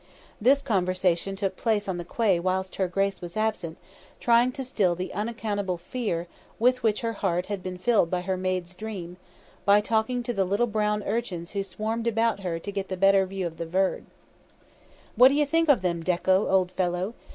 This conversation took place on the quay whilst her grace was absent, trying to still the unaccountable fear with which her heart had been filled by her maid's dream, by talking to the little brown urchins who swarmed about her the better to view the bird. "What do you think of them, Dekko old fellow?"